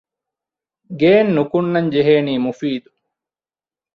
ގެއިން ނުކުންނަން ޖެހޭނީ މުފީދު